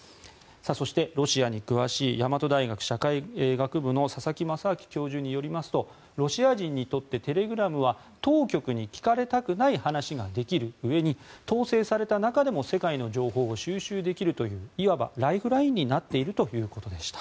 そして、ロシアに詳しい大和大学社会学部の佐々木正明教授によりますとロシア人にとってテレグラムは当局に聞かれたくない話ができるうえに統制された中でも世界の情報を収集できるといういわばライフラインになっているということでした。